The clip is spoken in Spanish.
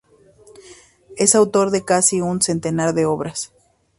Es autor de casi un centenar de obras.